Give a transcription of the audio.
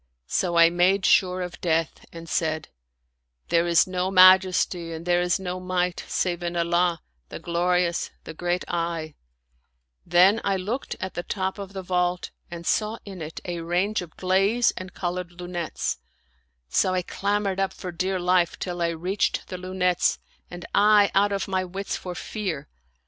So I made sure of death, and said, " There is no Majesty and there is no Might save in Allah, the Glori ous, the Great 1 '* Then I looked at the top of the vault and saw in it a range of glaze and colored lunettes ; so I clam bered up for dear life, till I reached the lunettes, and I out of my wits for fear.